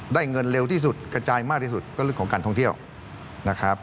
ได้เงินเร็วที่สุดกระจายมากที่สุดก็เรื่องของการท่องเที่ยวนะครับ